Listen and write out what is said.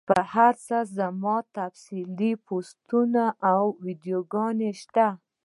پۀ دې هر څۀ زما تفصیلي پوسټونه او ويډيوګانې شته